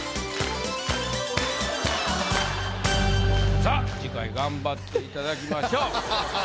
さあ次回頑張っていただきましょう。